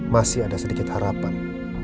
masih ada sedikit harapan